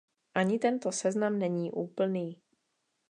Ani tento seznam není úplný.